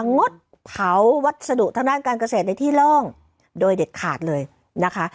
งดเผาวัสดุทางด้านการเกษตรในที่โล่งโดยเด็ดขาดเลยนะคะ